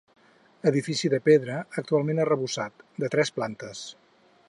Edifici de pedra, actualment arrebossat, de tres plantes.